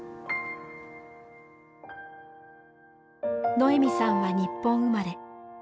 ノエミさんは日本生まれ。